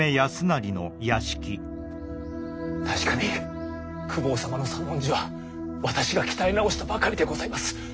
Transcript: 確かに公方様の左文字は私が鍛え直したばかりでございます。